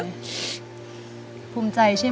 คุณยายคุณใจใช่ไหม